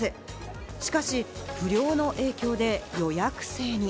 しかし、不漁の影響で予約制に。